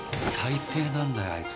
最低なんだよ